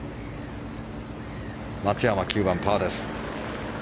松山は９番、パーです。